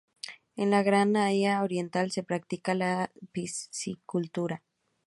En la gran bahía oriental se practica la piscicultura.